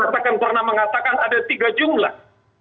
katakan pernah mengatakan ada tiga jumlah